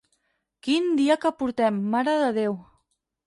Quin dia que portem, marededeu!